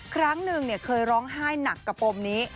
ครั้งหนึ่งเคยร้องไห้หนักกับปมนี้